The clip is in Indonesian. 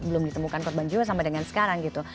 belum ditemukan korban jiwa sampai dengan sekarang gitu